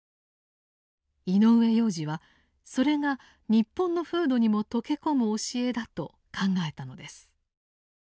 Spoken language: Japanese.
井上洋治はそれが日本の風土にも溶け込む教えだと考えたのです。